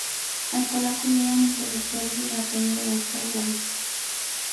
Al cual acudieron intelectuales de la talla de Oscar Wilde.